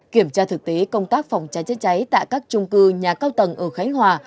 kiểm tra thực tế công tác phòng cháy chữa cháy tại các trung cư nhà cao tầng ở khánh hòa